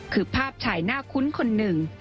คือภาพชายหน้าคุ้นคนหนึ่ง